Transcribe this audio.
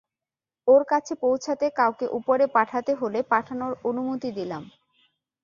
ওর কাছে পৌছাতে কাউকে উপরে পাঠাতে হলে পাঠানোর অনুমতি দিলাম।